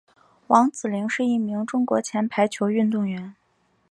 王子凌是一名中国前排球运动员。